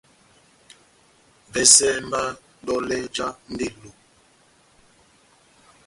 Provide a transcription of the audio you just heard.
Vɛsɛ mba dɔlɛ já ndelo.